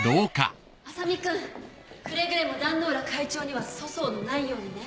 麻実君くれぐれも壇ノ浦会長には粗相のないようにね。